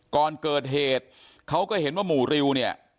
ก่อนเกิดเหตุเขาก็เห็นว่าหมู่ริวเนี่ย